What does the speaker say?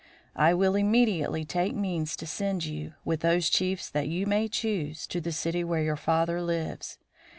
I will immediately take means to send you, with those chiefs that you may choose, to the city where your father lives.